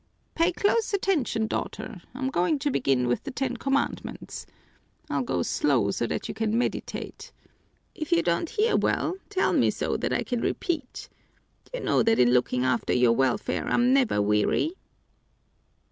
"Pay close attention, daughter. I'm going to begin with the Ten Commandments. I'll go slow so that you can meditate. If you don't hear well tell me so that I can repeat. You know that in looking after your welfare I'm never weary."